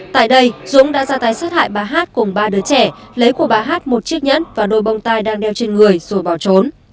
tại đây dũng đã ra tay sát hại bà hát cùng ba đứa trẻ lấy của bà hát một chiếc nhẫn và đôi bông tai đang đeo trên người rồi bỏ trốn